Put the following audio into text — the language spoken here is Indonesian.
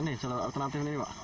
ini jalur alternatif ini pak